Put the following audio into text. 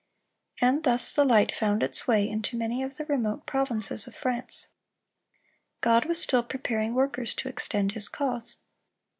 (331) And thus the light found its way into many of the remote provinces of France. God was still preparing workers to extend His cause.